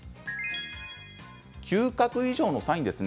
嗅覚異常のサインです。